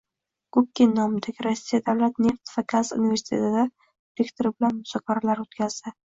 Gubkin nomidagi Rossiya davlat neft va gaz universiteti rektori bilan muzokaralar o‘tkazdi